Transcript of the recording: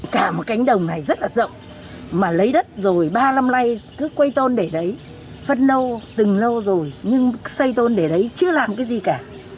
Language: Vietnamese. cả một cánh đồng này rất là rộng mà lấy đất rồi ba năm nay cứ quây tôn để đấy phân lâu từng lâu rồi nhưng xây tôn để đấy chưa làm cái gì cả